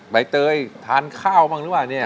ใบเตยทานข้าวบ้างหรือเปล่าเนี่ย